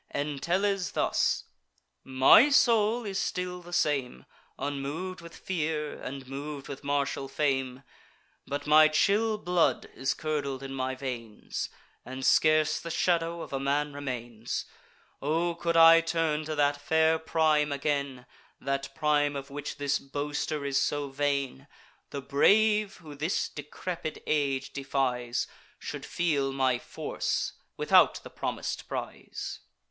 Entellus, thus: "My soul is still the same, Unmov'd with fear, and mov'd with martial fame; But my chill blood is curdled in my veins, And scarce the shadow of a man remains. O could I turn to that fair prime again, That prime of which this boaster is so vain, The brave, who this decrepid age defies, Should feel my force, without the promis'd prize."